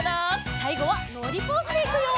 さいごはのりポーズでいくよ！